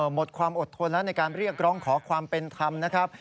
หมดความอดทนแล้วในการเรียกร้องขอความเป็นธรรมนะครับ